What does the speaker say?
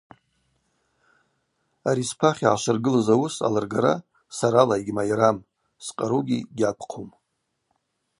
Ари спахь йгӏашвыргылыз ауыс алыргара сарала йгьмайрам, скъаругьи гьаквхъум.